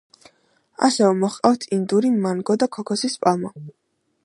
ასევე მოჰყავთ ინდური მანგო და ქოქოსის პალმა.